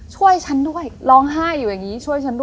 ช่วยฉันด้วยร้องไห้อยู่อย่างนี้